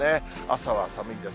朝は寒いです。